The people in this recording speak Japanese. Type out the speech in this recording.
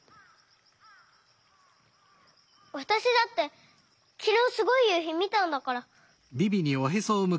わたしだってきのうすごいゆうひみたんだから。